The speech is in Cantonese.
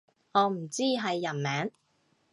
我唔知係人名